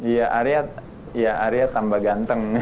ya aria ya aria tambah ganteng